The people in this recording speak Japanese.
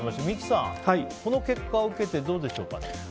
三木さん、この結果を受けてどうでしょう。